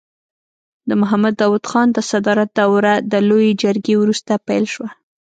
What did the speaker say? د محمد داود خان د صدارت دوره د لويې جرګې وروسته پیل شوه.